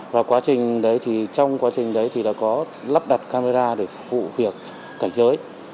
và trong quá trình đấy thì đã có lắp đặt camera để phụ việc cảnh giới